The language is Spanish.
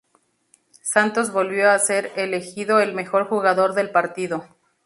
Santos volvió a ser elegido el mejor jugador del partido.